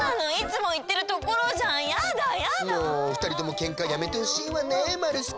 もうふたりともけんかやめてほしいわねまるすけ。